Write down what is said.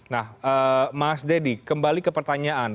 nah mas deddy kembali ke pertanyaan